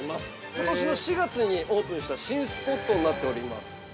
ことしの４月にオープンした新スポットになっております。